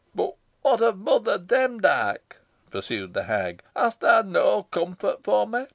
"But what of Mother Demdike?" pursued the hag. "Hast thou no comfort for me?